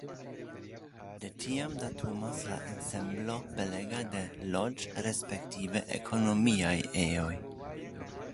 De tiam datumas la ensemblo belega de loĝ- respektive ekonomiaj ejoj.